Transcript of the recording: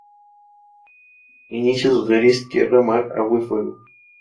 Inicia sus series "Tierra, Mar, Agua y Fuego".